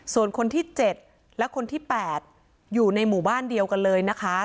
ส่วนคนที่๗และคนที่๘อยู่ในหมู่บ้านเดียวกันเลยนะคะ